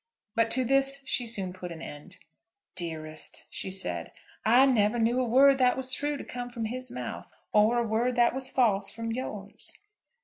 But to this she soon put an end. "Dearest," she said, "I never knew a word that was true to come from his mouth, or a word that was false from yours."